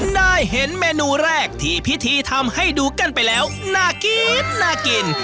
ได้เห็นเมนูแรกที่พิธีทำให้ดูกันไปแล้วน่ากินน่ากิน